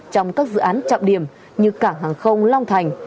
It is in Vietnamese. trong các dự án trọng điểm như cảng hàng không long thành